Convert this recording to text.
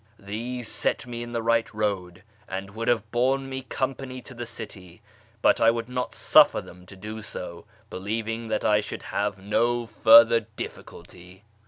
These set me in the right road, and would have borne me company to the city, but I would not suffer them to do so, believing that I should have no further difficulty.